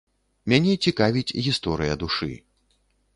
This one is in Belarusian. Мяне цікавіць гісторыя душы.